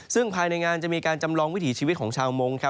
ซึ่งภายในงานจะมีการจำลองวิถีชีวิตของชาวมงค์